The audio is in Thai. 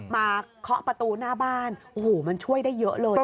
เคาะประตูหน้าบ้านโอ้โหมันช่วยได้เยอะเลย